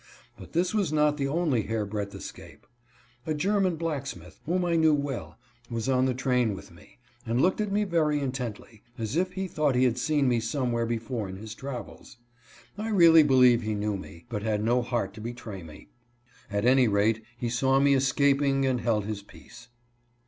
But this was not the only hair breadth escape. A German blacksmith, whom I knew well, was on the train with me, and looked at me very intently, as if he thought he had seen me somewhere before in his travels. I really believe he knew me, but had no heart to betray me. At any rate he saw me escaping and held his peace.